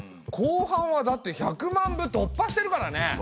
後半はだって１００万部突破してるからね！